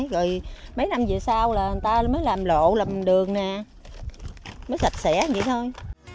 cá không có có ở trước này lầy lội rồi xình bùng vậy đó chứ không có mấy năm về sau là người ta mới làm lộ làm đường nè mới sạch sẽ như vậy thôi